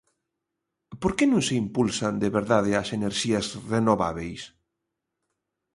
Por que non se impulsan de verdade as enerxías renovábeis?